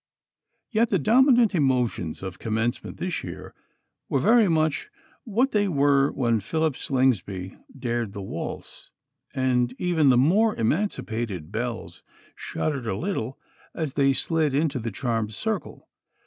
Yet the dominant emotions of Commencement this year were very much what they were when Philip Slingsby dared the waltz, and even the more emancipated belles shuddered a little as they slid into the charmed circle.